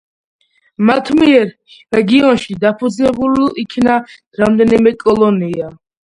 მათ მიერ რეგიონში დაფუძნებულ იქნა რამდენიმე კოლონია.